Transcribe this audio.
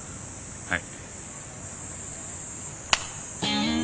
はい。